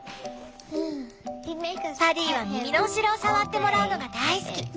パディは耳の後ろを触ってもらうのが大好き。